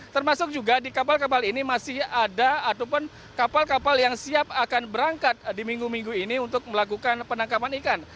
termasuk juga di kapal kapal ini masih ada ataupun kapal kapal yang siap akan berangkat di minggu minggu ini untuk melakukan penangkapan ikan